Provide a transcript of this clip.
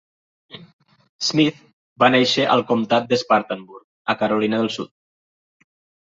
Smith va néixer al comptat d'Spartanburg, a Carolina del Sud.